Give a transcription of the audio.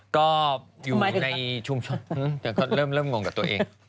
ก็อยู่ในชุมชนแต่ก็เริ่มงงกับตัวเอง